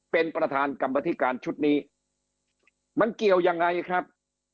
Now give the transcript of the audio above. เป็นประธานกรรมธิการชุดนี้มันเกี่ยวยังไงครับ